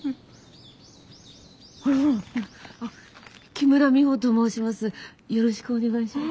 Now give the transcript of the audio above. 木村美穂と申します。